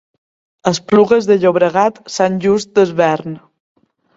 Esplugues de Llobregat, Sant Just Desvern.